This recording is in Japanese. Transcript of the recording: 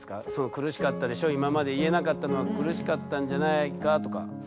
苦しかったでしょ今まで言えなかったのは苦しかったんじゃないかとか。